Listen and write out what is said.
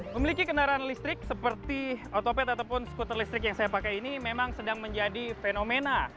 memiliki kendaraan listrik seperti otopet ataupun skuter listrik yang saya pakai ini memang sedang menjadi fenomena